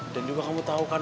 dan juga kamu tau kan